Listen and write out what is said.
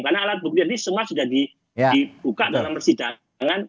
karena alat bukti ini semua sudah dibuka dalam persidangan